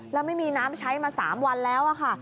แล้วไม่มีน้ำใช้มา๓วันแล้วค่ะ